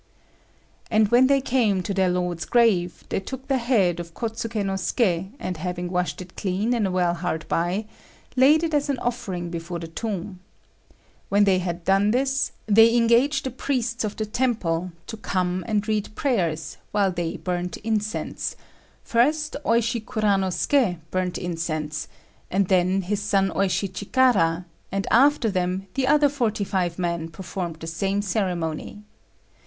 And when they came to their lord's grave, they took the head of Kôtsuké no Suké, and having washed it clean in a well hard by, laid it as an offering before the tomb. When they had done this, they engaged the priests of the temple to come and read prayers while they burnt incense: first Oishi Kuranosuké burnt incense, and then his son Oishi Chikara, and after them the other forty five men performed the same ceremony.